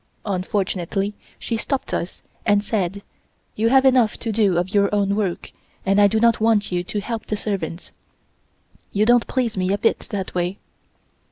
Unfortunately, she stopped us, and said: "You have enough to do of your own work, and I do not want you to help the servants. You don't please me a bit that way."